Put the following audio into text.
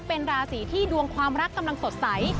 เป็นราศีที่ดวงความรักกำลังสดใส